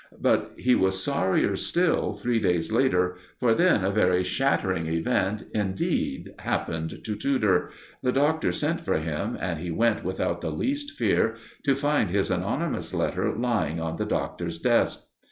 But he was sorrier still three days later, for then a very shattering event indeed happened to Tudor. The Doctor sent for him, and he went without the least fear, to find his anonymous letter lying on the Doctor's desk.